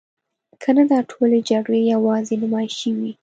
کنه دا ټولې جګړې یوازې نمایشي وي.